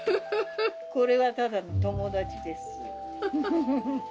これはただの友達です。